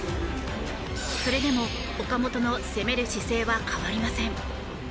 それでも岡本の攻める姿勢は変わりません。